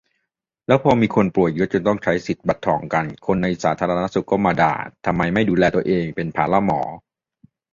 "แล้วพอมีคนป่วยเยอะ จนต้องใช้สิทธิบัตรทองกัน คนในสาธารณสุขก็มาด่า ทำไมไม่ดูแลตัวเอง เป็นภาระหมอ"